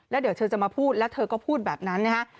แล้วเดี๋ยวเธอจะมาพูดแล้วเธอก็พูดแบบนั้นนะฮะ